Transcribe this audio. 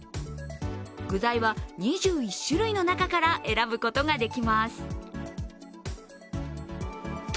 具材は２１種類の中から選ぶことができます。